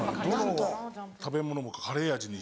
どの食べ物もカレー味に。